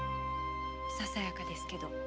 ささやかですけど。